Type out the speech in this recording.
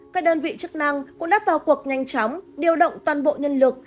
các đơn vị chức năng cũng đã vào cuộc nhanh chóng điều động toàn bộ nhân lực